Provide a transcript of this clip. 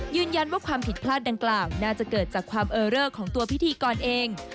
ความผิดพลาดดังกล่าวน่าจะเกิดจากความเออเรอร์ของตัวพิธีกรเอง